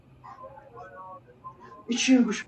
بدین نوع